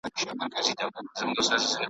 زه وېرېدم له اشارو د ګاونډیانو څخه .